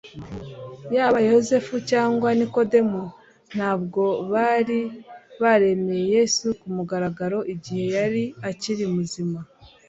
Yaba Yosefu cyangwa Nikodemu ntabwo bari baremeye Yesu ku mugaragaro igihe yari akiri muzima.